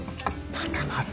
またまた。